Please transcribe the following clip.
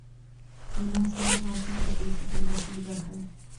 هلمند سیند د افغانستان د سیاسي جغرافیې برخه ده.